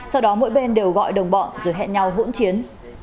sau đó mỗi bên đều gọi đồng bọn rồi hẹn nhau hỗn chiến